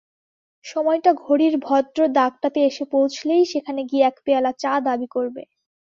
সময়টা ঘড়ির ভদ্র দাগটাতে এসে পৌঁছলেই সেখানে গিয়ে এক পেয়ালা চা দাবি করবে।